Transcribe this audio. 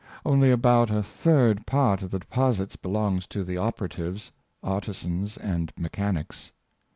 Only about a third part of the deposits be longs to the operatives, artisans and mechanics.